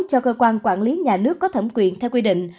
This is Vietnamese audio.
cho cơ quan quản lý nhà nước có thẩm quyền theo quy định